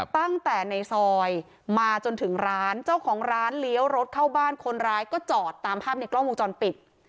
ตั้งแต่ในซอยมาจนถึงร้านเจ้าของร้านเลี้ยวรถเข้าบ้านคนร้ายก็จอดตามภาพในกล้องวงจรปิด